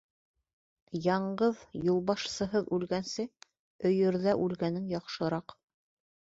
— Яңғыҙ, юлбашсыһыҙ үлгәнсе, өйөрҙә үлгәнең яҡшыраҡ.